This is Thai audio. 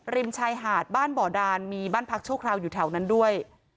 ริมชายหาดบ้านบ่อดานมีบ้านพักชั่วคราวอยู่แถวนั้นด้วย